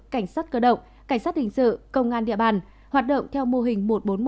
cảnh sát cơ động cảnh sát hình sự công an địa bàn hoạt động theo mô hình một trăm bốn mươi một